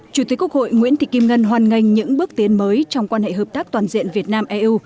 chủ tịch quốc hội nguyễn thị kim ngân hoàn ngành những bước tiến mới trong quan hệ hợp tác toàn diện việt nam eu